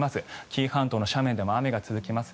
紀伊半島の斜面でも雨が続きます。